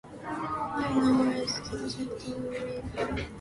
Keltner was the subject of a brief campaign for the Baseball Hall of Fame.